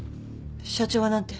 社長は何て？